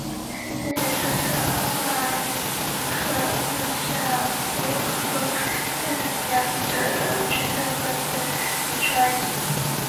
此举促成阿马尔里克和谢尔库赫将两者的军队各自领出埃及。